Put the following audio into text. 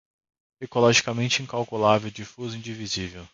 ecologicamente, incalculável, difuso, indivisível